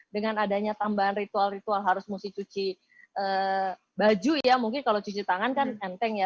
dengan adanya tambahan ritual ritual harus mesti cuci baju ya mungkin kalau cuci tangan kan enteng ya